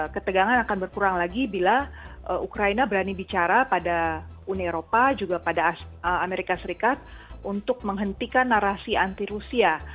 ketegangan akan berkurang lagi bila ukraina berani bicara pada uni eropa juga pada amerika serikat untuk menghentikan narasi anti rusia